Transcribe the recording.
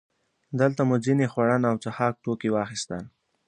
دلته مو ځینې خوړن او څښاک توکي واخیستل.